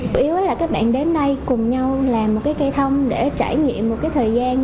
chủ yếu là các bạn đến đây cùng nhau làm một cái cây thông để trải nghiệm một cái thời gian